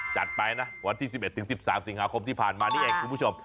จัดไปนะวันที่๑๑๑๓สิงหาคมที่ผ่านมานี่เองคุณผู้ชม